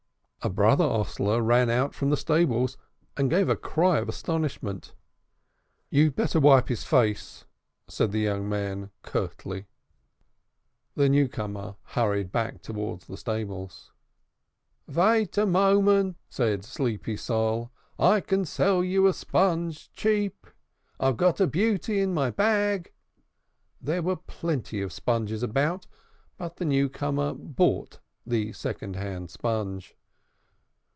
A brother hostler ran out from the stables and gave a cry of astonishment. "You'd better wipe his face," said the young man curtly. The newcomer hurried back towards the stables. "Vait a moment," said Sleepy Sol "I can sell you a sponge sheap; I've got a beauty in my bag." There were plenty of sponges about, but the newcomer bought the second hand sponge.